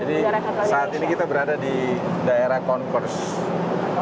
jadi saat ini kita berada di daerah concourse